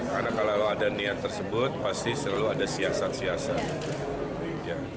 karena kalau ada niat tersebut pasti selalu ada siasat siasat